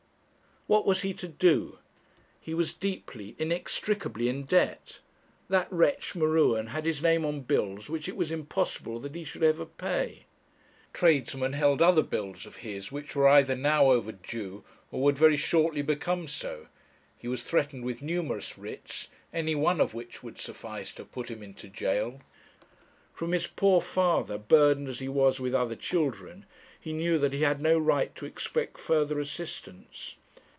What was he to do? He was deeply, inextricably in debt. That wretch, M'Ruen, had his name on bills which it was impossible that he should ever pay. Tradesmen held other bills of his which were either now over due, or would very shortly become so. He was threatened with numerous writs, any one of which would suffice to put him into gaol. From his poor father, burdened as he was with other children, he knew that he had no right to expect further assistance.